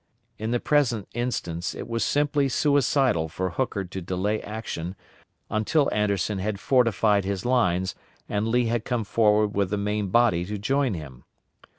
In the present instance it was simply suicidal for Hooker to delay action until Anderson had fortified his lines and Lee had come forward with the main body to join him.